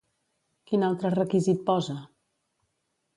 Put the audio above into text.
Quin altre requisit posa?